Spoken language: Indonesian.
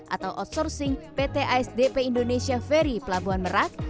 atau outsourcing pt asdp indonesia ferry pelabuhan merak